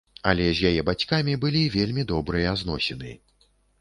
Але з яе бацькамі былі вельмі добрыя зносіны.